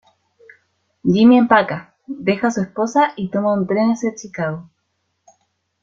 Jimmy empaca, deja a su esposa y toma un tren hacia Chicago.